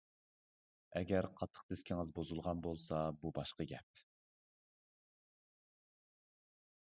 ئەگەر قاتتىق دىسكىڭىز بۇزۇلغان بولسا بۇ باشقا گەپ.